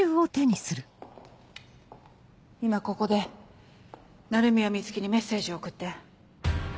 今ここで鳴宮美月にメッセージを送って。